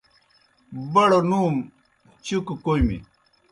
بڑو نُوم، چُکہ کومی